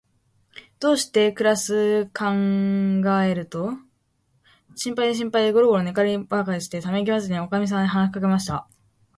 どうしてくらすかかんがえると、心配で心配で、ごろごろ寝がえりばかりして、ためいきまじりに、おかみさんに話しかけました。